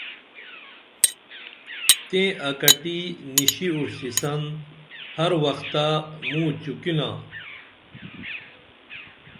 تیں اکٹی نِشی اُروشتیسن ہر وختہ مو چوکِنا